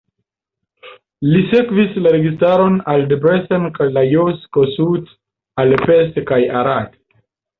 Li sekvis la registaron al Debrecen kaj Lajos Kossuth al Pest kaj Arad.